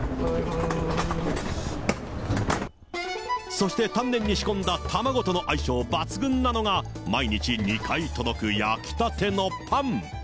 そして丹念に仕込んだ卵との相性抜群なのが、毎日２回届く焼きたてのパン。